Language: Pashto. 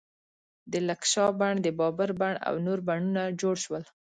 د لکشا بڼ، د بابر بڼ او نور بڼونه جوړ شول.